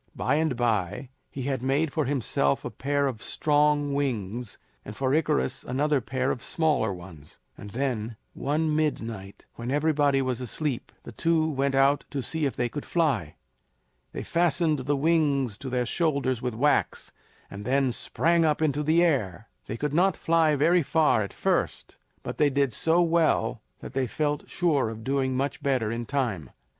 By and by he had made for himself a pair of strong wings, and for Icarus another pair of smaller ones; and then, one midnight, when everybody was asleep, the two went out to see if they could fly. They fastened the wings to their shoulders with wax, and then sprang up into the air. They could not fly very far at first, but they did so well that they felt sure of doing much better in time.